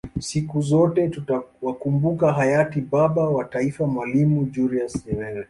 Siku zote tutawakumbuka Hayati Baba wa taifa Mwalimu Julius Nyerere